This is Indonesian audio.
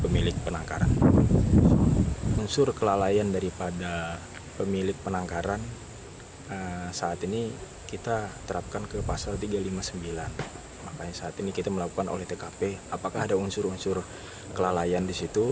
makanya saat ini kita melakukan oleh tkp apakah ada unsur unsur kelalaian di situ